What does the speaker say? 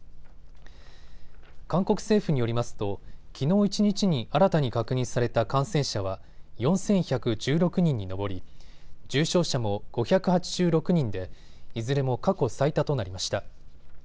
韓国政府によりますときのう一日に新たに確認された感染者は４１１６人に上り重症者も５８６人でいずれも過去最多となりました。